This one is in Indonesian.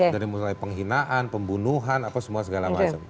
dari mulai penghinaan pembunuhan apa semua segala macam